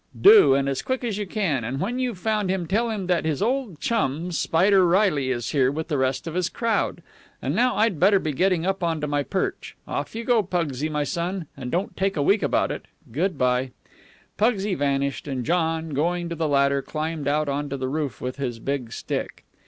"Do, and as quick as you can. And when you've found him tell him that his old chum, Spider Reilly, is here, with the rest of his crowd. And now I'd better be getting up on to my perch. Off you go, Pugsy, my son, and don't take a week about it. Good by." Pugsy vanished, and John, going to the ladder, climbed out on to the roof with his big stick.